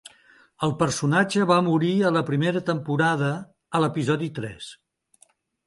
El personatge va morir a la primera temporada, a l'episodi tres.